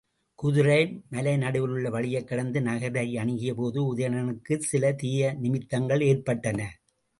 குதிரை மலை நடுவிலுள்ள வழியைக் கடந்து நகரை அணுகியபோது உதயணனுக்குச் சில தீய நிமித்தங்கள் ஏற்பட்டன.